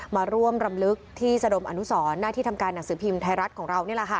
มาร่วมรำลึกที่สะดมอนุสรหน้าที่ทำการหนังสือพิมพ์ไทยรัฐของเรานี่แหละค่ะ